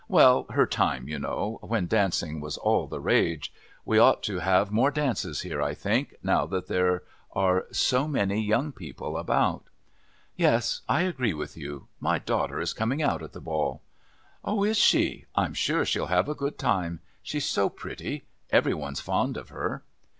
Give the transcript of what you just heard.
"Well, her time, you know, when dancing was all the rage. We ought to have more dances here, I think, now that there are so many young people about." "Yes, I agree with you. My daughter is coming out at the Ball." "Oh, is she? I'm sure she'll have a good time. She's so pretty. Every one's fond of her."